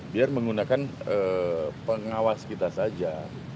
biar menggunakan pengawas kita saja